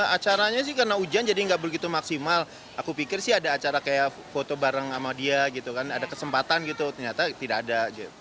acaranya sih karena hujan jadi nggak begitu maksimal aku pikir sih ada acara kayak foto bareng sama dia gitu kan ada kesempatan gitu ternyata tidak ada